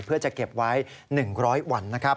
เพื่อจะเก็บไว้๑๐๐วันนะครับ